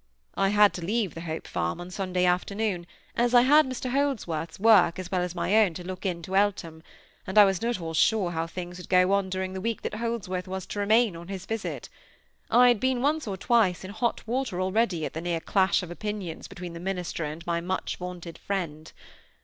I had to leave the Hope Farm on Sunday afternoon, as I had Mr Holdsworth's work as well as my own to look to in Eltham; and I was not at all sure how things would go on during the week that Holdsworth was to remain on his visit; I had been once or twice in hot water already at the near clash of opinions between the minister and my much vaunted friend.